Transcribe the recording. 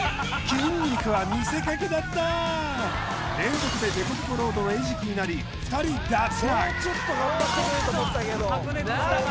筋肉は見せかけだった連続で凸凹ロードの餌食になり２人脱落・マジか